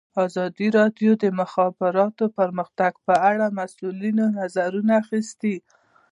ازادي راډیو د د مخابراتو پرمختګ په اړه د مسؤلینو نظرونه اخیستي.